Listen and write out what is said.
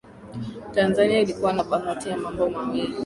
Tanzania ilikuwa na bahati ya mambo mawili